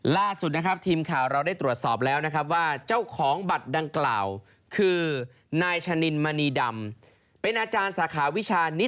ล่าสุดทีมข่าวเราได้ตรวจสอบแล้วว่าเจ้าของบัตรดังกล่าวคือนายชะนินมณีดำ